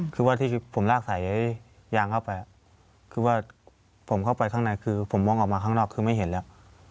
คือว่าที่ผมลากสายยางเข้าไปคือว่าผมเข้าไปข้างในคือผมมองออกมาข้างนอกคือไม่เห็นแล้ว